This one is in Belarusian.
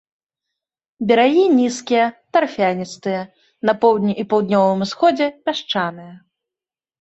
Берагі нізкія, тарфяністыя, на поўдні і паўднёвым усходзе пясчаныя.